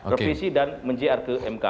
revisi dan menjual ke mk